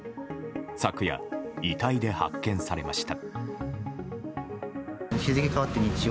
昨夜、遺体で発見されました。